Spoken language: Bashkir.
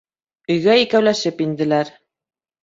Өйгә икәүләшеп инделәр.